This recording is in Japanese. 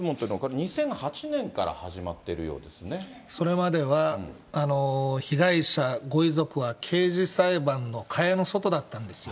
２００８それまでは、被害者、ご遺族は刑事裁判の蚊帳の外だったんですよ。